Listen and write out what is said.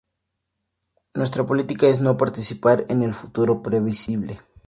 Nuestra política es no participar en el futuro previsible.